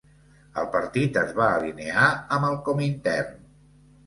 El partit es va alinear amb el Comintern.